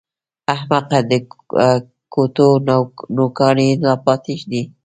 احمقه! د ګوتو نوکان يې لا پاتې دي!